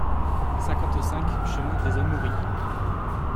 cinquante-cinq chemin des Amouries